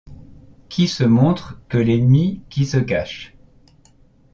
qui se montre que l’ennemi qui se cache !